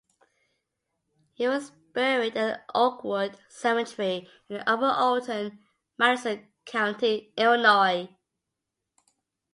He was buried at the Oakwood Cemetery in Upper Alton, Madison County, Illinois.